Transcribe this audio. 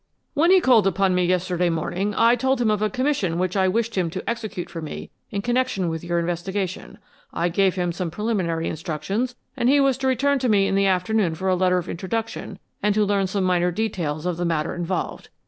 "When he called upon me yesterday morning I told him of a commission which I wished him to execute for me in connection with your investigation. I gave him some preliminary instructions and he was to return to me in the afternoon for a letter of introduction and to learn some minor details of the matter involved.